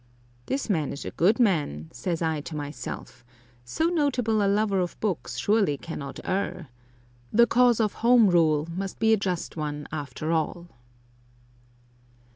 "This man is a good man," says I to myself. "So notable a lover of books surely cannot err. The cause of home rule must be a just one after all."